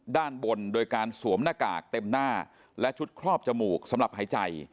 ด้านบนโดยการสวมหน้ากากเต็มหน้าและชุดครอบจมูกสำหรับหายใจ